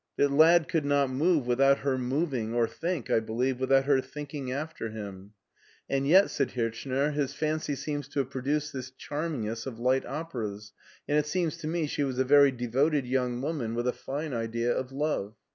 The lad could not move without her moving or think, I believe, without her thinking after him." "And yet," said Hirchner, "his fancy seems to have produced this charmingest of light operas, and it seems to me she was a very devoted young woman with a fine idea of love."